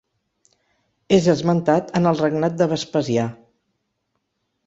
És esmentat en el regnat de Vespasià.